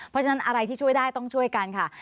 เพราะฉะนั้นอะไรที่ช่วยได้ต้องช่วยกันค่ะ